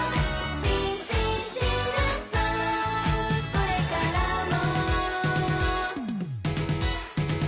これからも．．．！